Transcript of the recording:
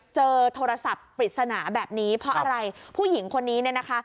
เจอโทรศัพท์ปริศนาแบบนี้เพราะอะไรผู้หญิงคนนี้เนี่ยนะคะ